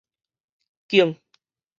龔